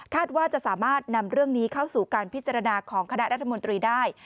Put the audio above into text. ว่าจะสามารถนำเรื่องนี้เข้าสู่การพิจารณาของคณะรัฐมนตรีได้